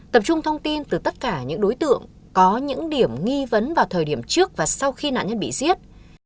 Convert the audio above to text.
tập trung thông tin từ tất cả những đối tượng có những điểm nghi vấn vào thời điểm trước và sau khi nạn nhân bị giết